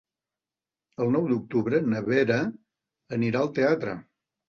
El nou d'octubre na Vera anirà al teatre.